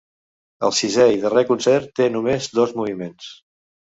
El sisè i darrer concert té només dos moviments.